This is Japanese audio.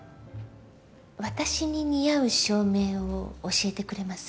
私に似合う照明を教えてくれます？